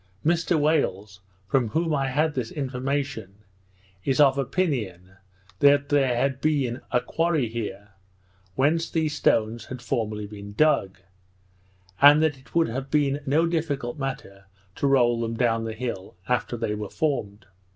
Mr Wales, from whom I had this information, is of opinion that there had been a quarry here, whence these stones had formerly been dug; and that it would have been no difficult matter to roll them down the hill after they were formed.